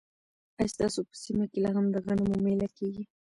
ایا ستاسو په سیمه کې لا هم د غنمو مېله کیږي؟